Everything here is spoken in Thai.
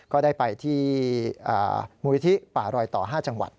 ก็ได้ไปที่มูลนิธิป่ารอยต่อ๕จังหวัด